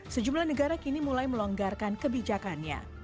sejumlah negara kini mulai melonggarkan kebijakannya